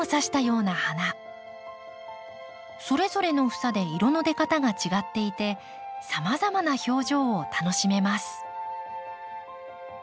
それぞれの房で色の出方が違っていてさまざまな表情を楽しめます。